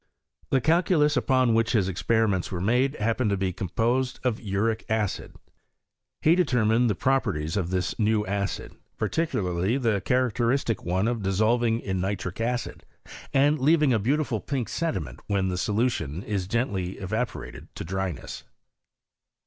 The calculus upon which his experiments were made, happened to be com posed of vric acid. He determined the properties of this new acid, particularly the characteristic one of dissolving; in uitric acid, and leaving a beautiful pink sediment when the solution is gently evaporated to dryness.